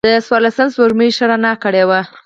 د څوارلسمم سپوږمۍ ښه رڼا کړې وه.